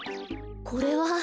これは。